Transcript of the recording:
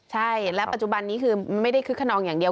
ใช่และปัจจุบันนี้คือไม่ได้คึกขนองอย่างเดียว